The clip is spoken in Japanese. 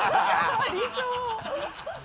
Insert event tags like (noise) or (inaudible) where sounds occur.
ありそう (laughs)